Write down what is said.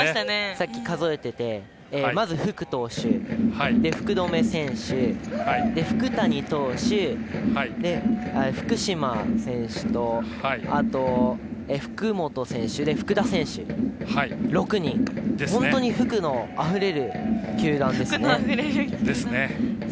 さっき数えていてまず、福投手福留選手、福谷投手、福島選手と福島選手、福元選手、福田選手の６人、本当に福のあふれる球団ですね。